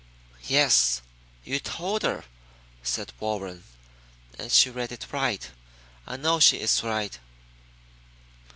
"Yes, you told her," said Warren, "and she read it right. I know she is right."